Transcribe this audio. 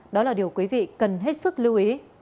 đó là điều quý vị cần hết sức lưu ý